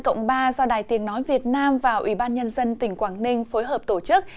tiếng hát asean cộng ba do đài tiếng nói việt nam và ủy ban nhân dân tỉnh quảng ninh phối hợp tổ chức